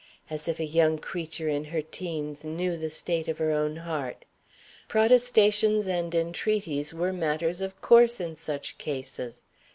As if a young creature in her teens knew the state of her own heart! Protestations and entreaties were matters of course, in such cases.